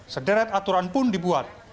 sederet aturan pun dibuat